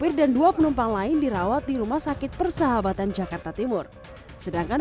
pir dan dua penumpang lain dirawat di rumah sakit persahabatan jakarta timur sedangkan